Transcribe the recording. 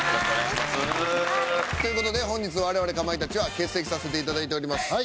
という事で本日我々かまいたちは欠席させて頂いております。